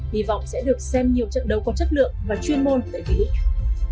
hy vọng sẽ được xem nhiều trận đấu có chất lượng và chuyên môn tại vlic